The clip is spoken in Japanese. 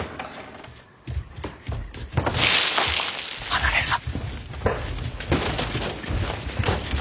離れるな。